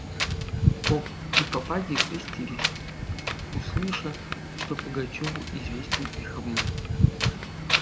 Поп и попадья крестились, услыша, что Пугачеву известен их обман.